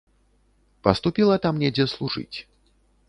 Паступіла там недзе служыць.